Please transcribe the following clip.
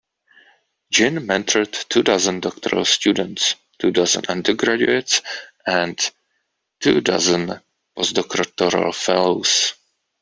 Jin mentored two dozen doctoral students, two dozen undergraduates and two dozen postdoctoral fellows.